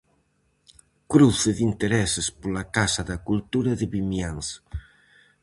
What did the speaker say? Cruce de intereses pola Casa da Cultura de Vimianzo.